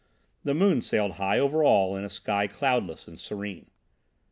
The moon sailed high over all in a sky cloudless and serene.